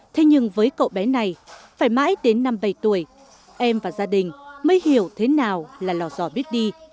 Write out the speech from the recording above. thế nhưng với cậu bé này phải mãi đến năm bảy tuổi em và gia đình mới hiểu thế nào là lò dò biết đi